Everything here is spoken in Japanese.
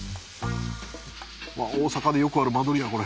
大阪でよくある間取りやこれ。